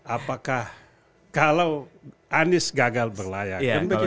apakah kalau anies gagal berlayar